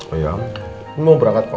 oh ya mau berangkat kok